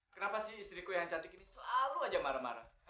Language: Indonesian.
kenapa sih istriku yang cantik ini selalu aja marah marah